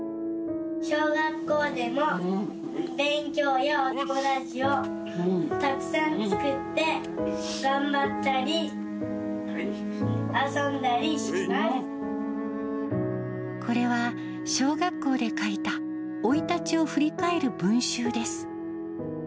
小学校でも勉強や、お友達をたくさん作って、これは、小学校で書いた、生い立ちを振り返る文集です。